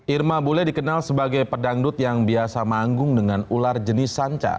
irma bule dikenal sebagai pedangdut yang biasa manggung dengan ular jenis sanca